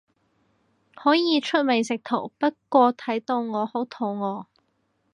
可以出美食圖，不過睇到我好肚餓